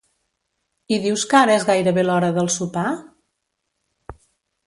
I dius que ara és gairebé l'hora del sopar?